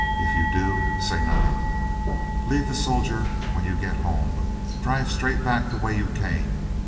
If you do, say nothing. Leave the soldier when you get home, drive straight back the way you came.